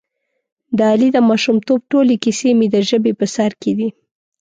د علي د ماشومتوب ټولې کیسې مې د ژبې په سر کې دي.